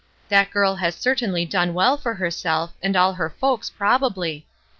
That girl has certainly done well for herself, and all her folks, probably.